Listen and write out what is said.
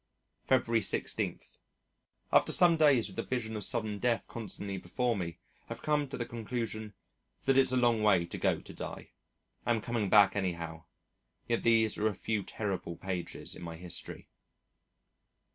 February 16. After some days with the vision of sudden death constantly before me, have come to the conclusion that it's a long way to go to die. Am coming back anyhow. Yet these are a few terrible pages in my history.